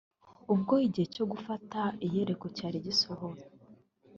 ubwo igihe cyo gufata i yeriko cyari gisohoye